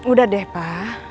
udah deh pak